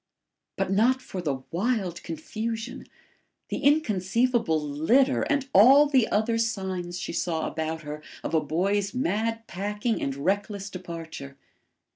But not for the wild confusion the inconceivable litter and all the other signs she saw about her of a boy's mad packing and reckless departure.